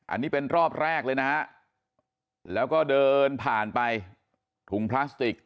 อันนี้เป็นรอบแรกเลยนะฮะแล้วก็เดินผ่านไปถุงพลาสติก